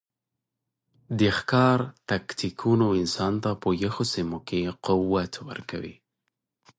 د ښکار تکتیکونو انسان ته په یخو سیمو کې قوت ورکړ.